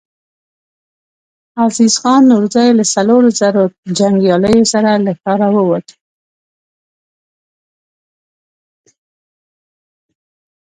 عزيز خان نورزی له څلورو زرو جنګياليو سره له ښاره ووت.